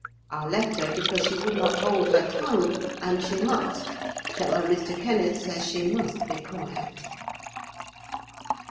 I left her because she would not hold her tongue; and she must—tell her Mr. Kenneth says she must be quiet."